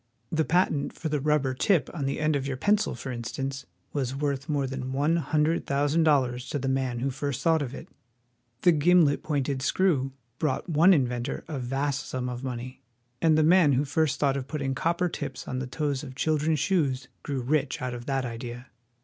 The patent for the rubber tip on the end of your Interior of the Patent Office. pencil, for instance, was worth more than one hundred thousand dollars to the man who first thought of it. The gimlet pointed screw brought one inventor a vast sum of money, and the man who first thought of putting copper tips on the toes of children's shoes grew rich out of that idea.